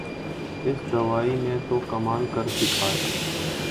اس دوائی نے تو کمال کر دکھایا